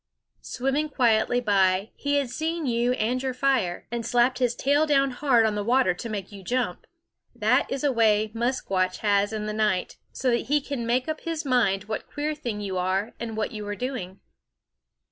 Swimming quietly by, he had seen you and your fire, and slapped his tail down hard on the water to make you jump. That is a way Musquash has in the night, so that he can make up his mind what queer thing you are and what you are doing.